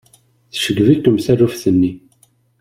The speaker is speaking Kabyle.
Tceggeb-ikem taluft-nni.